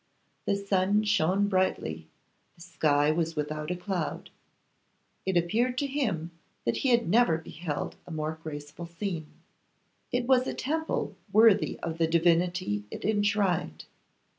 The sun shone brightly, the sky was without a cloud; it appeared to him that he had never beheld a more graceful scene. It was a temple worthy of the divinity it enshrined.